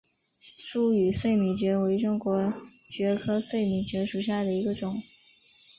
疏羽碎米蕨为中国蕨科碎米蕨属下的一个种。